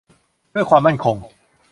ด้วยความมั่นคง